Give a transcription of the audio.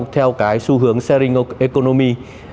theo cái xu hướng sharing economy